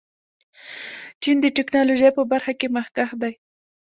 چین د ټیکنالوژۍ په برخه کې مخکښ دی.